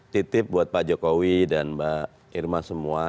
titip buat pak jokowi dan mbak irma semua